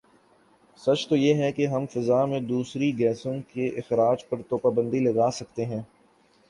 سچ تو یہ ہے کہ ہم فضا میں دوسری گیسوں کے اخراج پر تو پابندی لگاسکتے ہیں